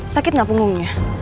sakit gak punggungnya